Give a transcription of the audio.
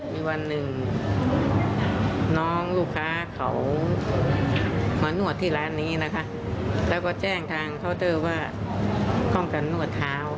หลังจากนั้นแล้วก็ทำการนวด